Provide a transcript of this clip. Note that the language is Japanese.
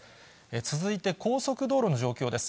続いて高速道路の状況です。